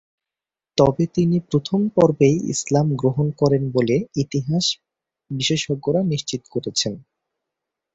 তবে তিনি প্রথম পর্বেই ইসলাম গ্রহণ করেন বলে ইতিহাস বিশেষজ্ঞরা নিশ্চিত করেছেন।